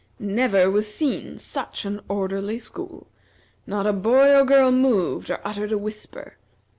Never was seen such an orderly school. Not a boy or girl moved, or uttered a whisper.